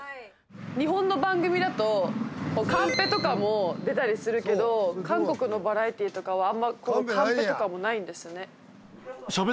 日本の番組だとカンペとかも出たりするけど韓国のバラエティとかはあんまカンペとかもないんですね。